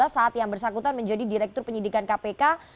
saat yang bersangkutan menjadi direktur penyidikan kpk